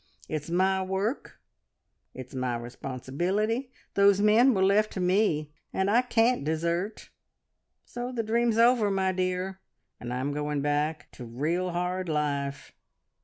It's my work, it's my responsibility; those men were left to me, and I can't desert. So the dream's over, my dear, and I'm going back to real hard life."